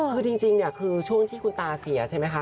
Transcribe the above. คือจริงเนี่ยคือช่วงที่คุณตาเสียใช่ไหมคะ